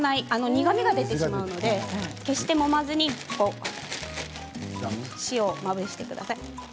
苦みが出てしまうので決してもまずに塩をまぶしてください